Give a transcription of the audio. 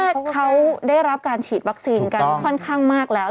เขาได้รับการฉีดวัคซีนกันค่อนข้างมากแล้ว